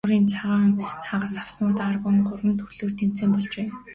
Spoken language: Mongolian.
Гагнуурын цахилгаан, хагас автомат, аргон гэсэн гурван төрлөөр тэмцээн болж байна.